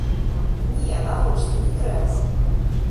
Не, навошта, не трэба.